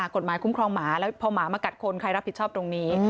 คุ้มครองหมาแล้วพอหมามากัดคนใครรับผิดชอบตรงนี้